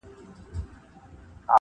د کښتۍ د چلولو پهلوان یې-